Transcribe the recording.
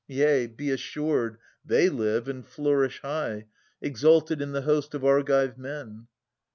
Yea, be assured, they live and flourish high, Exalted in the host of Argive men.